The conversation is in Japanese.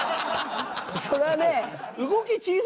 それはねえ。